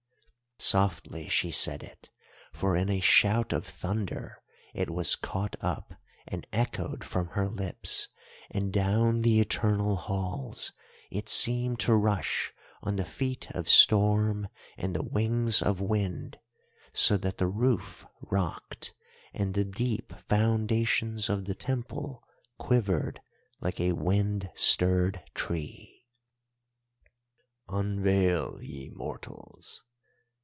Softly she said it, for in a shout of thunder it was caught up and echoed from her lips, and down the eternal halls it seemed to rush on the feet of storm and the wings of wind, so that the roof rocked and the deep foundations of the Temple quivered like a wind stirred tree. "'Unveil, ye mortals!